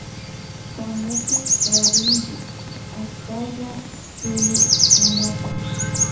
Kamupi tarinki ashtalla shuyukunata.